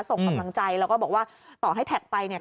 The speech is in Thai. ส่งกำลังใจแล้วก็บอกว่าต่อให้แท็กไปเนี่ย